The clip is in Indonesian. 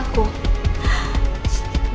aku tak tahu